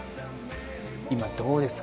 今、どうですか？